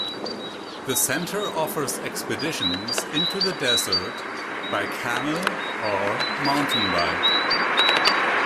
The Centre offers expeditions into the desert by camel or mountain bike.